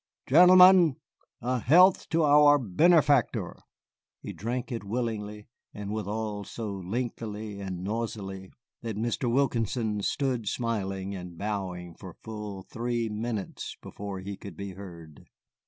"Gentlemen, a health to our benefactor." They drank it willingly, and withal so lengthily and noisily that Mr. Wilkinson stood smiling and bowing for full three minutes before he could be heard.